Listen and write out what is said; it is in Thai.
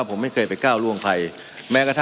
มันมีมาต่อเนื่องมีเหตุการณ์ที่ไม่เคยเกิดขึ้น